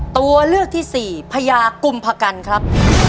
ตัวเลือกที่สี่พญากุมพกันครับ